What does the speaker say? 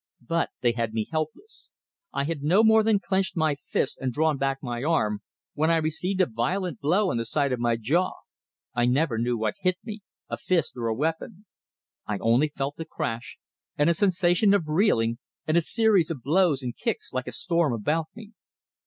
But they had me helpless; I had no more than clenched my fist and drawn back my arm, when I received a violent blow on the side of my jaw. I never knew what hit me, a fist or a weapon. I only felt the crash, and a sensation of reeling, and a series of blows and kicks like a storm about me.